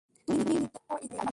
তুমিই নির্দেশ ও ইচ্ছার মালিক।